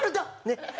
ねっ！